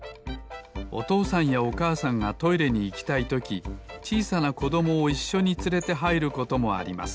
おとうさんやおかあさんがトイレにいきたいときちいさなこどもをいっしょにつれてはいることもあります